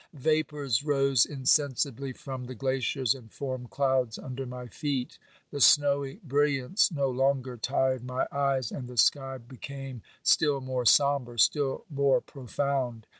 Vapours rose insensibly from the glaciers and formed clouds under my feet. The snowy brilliance no longer tired my eyes, and the sky became still more sombre, still more profound.